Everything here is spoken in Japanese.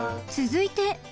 ［続いて］